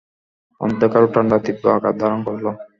অন্ধকার ও ঠাণ্ডা তীব্র আকার ধারণ করল।